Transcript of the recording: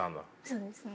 そうですね。